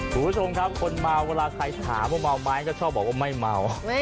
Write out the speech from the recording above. คุณผู้ชมครับคนเมาเวลาใครถามว่าเมาไหมก็ชอบบอกว่าไม่เมา